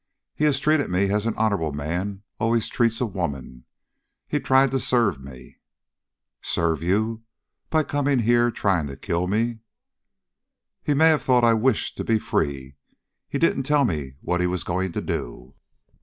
He has treated me as an honorable man always treats a woman he tried to serve me." "Serve you? By coming here trying to kill me?" "He may have thought I wished to be free. He didn't tell me what he was going to do."